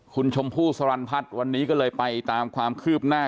คุณชมพู่สรรพัฒน์วันนี้ก็เลยไปตามความคืบหน้า